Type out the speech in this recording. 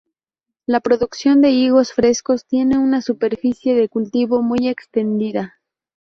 La producción de higos frescos tiene una superficie de cultivo muy extendida.